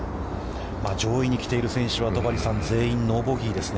上位に来ている選手は、戸張さん、全員のノーボギーですね。